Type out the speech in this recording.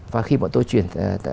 và khi bọn tôi chuyển